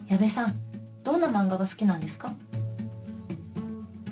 どんな漫画が好きなんですか？